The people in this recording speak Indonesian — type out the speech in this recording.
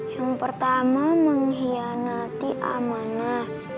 yang pertama mengkhianati amanah